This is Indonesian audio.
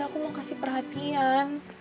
aku mau kasih perhatian